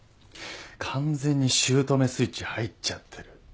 完全に姑スイッチ入っちゃってる。